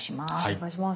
お願いします。